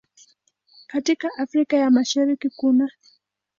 Katika Afrika ya Mashariki kunaː